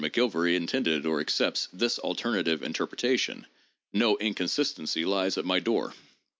But in any case, if Mr. McGilvary intended or accepts this alternative interpretation, no inconsistency lies at my door.